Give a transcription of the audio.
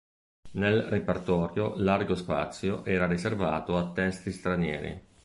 Nel repertorio largo spazio era riservato a testi stranieri.